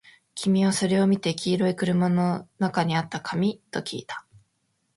君はそれを見て、黄色い車の中にあった紙？ときいた